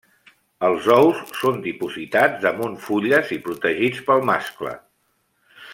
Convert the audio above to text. Els ous són dipositats damunt fulles i protegits pel mascle.